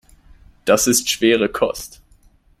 Das ist schwere Kost.